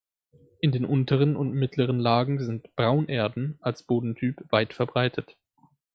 In den unteren und mittleren Lagen sind "Braunerden" als Bodentyp weit verbreitet.